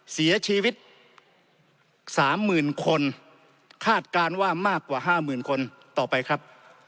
เสียชีวิต๓๐๐๐คนคาดการณ์ว่ามากกว่า๕๐๐๐คนต่อไปครับ